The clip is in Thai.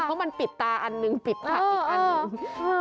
เพราะมันปิดตาอันนึงปิดค่ะอีกอันนึง